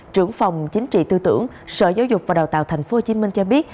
trưởng phòng chính trị tư tưởng sở giáo dục và đào tạo tp hcm cho biết